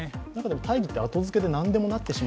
大義は後付けで何とでもなってしまう。